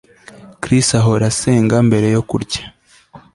Chris ahora asenga mbere yo kurya